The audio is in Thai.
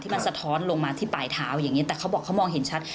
มันสะท้อนลงมาที่ปลายเท้าอย่างนี้แต่เขาบอกเขามองเห็นชัด